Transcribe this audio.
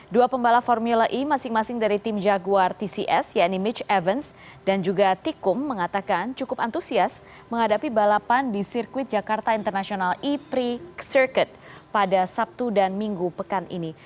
dua pembalap formula e masing masing dari tim jaguar tcs yaitu mitch evans dan juga tikum mengatakan cukup antusias menghadapi balapan di sirkuit jakarta international e prix circuit pada sabtu dan minggu pekan ini